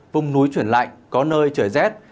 vùng núi chuyển lạnh có nơi trời rét